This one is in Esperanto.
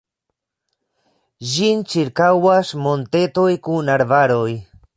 Ĝin ĉirkaŭas montetoj kun arbaroj.